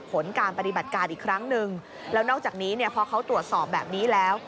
ผลการปฏิบัติการอีกครั้งหนึ่งแล้วนอกจากนี้เนี่ยพอเขาตรวจสอบแบบนี้แล้ว